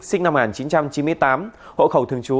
sinh năm một nghìn chín trăm chín mươi tám hộ khẩu thường trú